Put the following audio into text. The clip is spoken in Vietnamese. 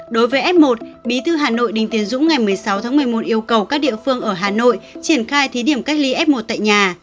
đối với f một bí thư hà nội đinh tiến dũng ngày một mươi sáu tháng một mươi một yêu cầu các địa phương ở hà nội triển khai thí điểm cách ly f một tại nhà